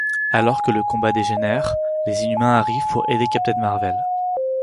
Alors que le combat dégénère, les Inhumains arrivent pour aider Captain Marvel.